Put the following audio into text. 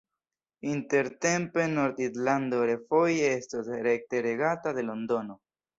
Intertempe Nord-Irlando refoje estos rekte regata de Londono.